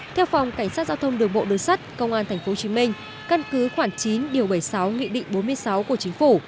theo phòng cảnh sát giao thông đường bộ đường sắt công an tp hcm căn cứ khoảng chín điều bảy mươi sáu nghị định bốn mươi sáu của chính phủ